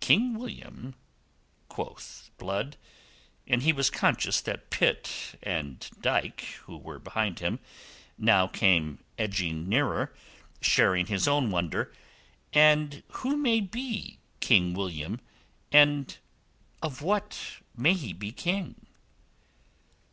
"King William?" quoth Blood, and he was conscious that Pitt and Dyke, who were behind him, now came edging nearer, sharing his own wonder. "And who may be King William, and of what may he be King?"